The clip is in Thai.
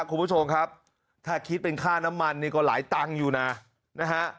คุณผู้ชมครับถ้าคิดเป็นค่าน้ำมันนี่ก็หลายตังค์อยู่นะนะฮะ